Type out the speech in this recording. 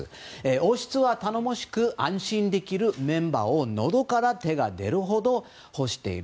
王室は頼もしく安心できるメンバーをのどから手が出るほど欲している。